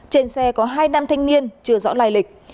trên xe có hai nam thanh niên chưa rõ lai lịch